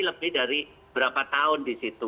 lebih dari berapa tahun disitu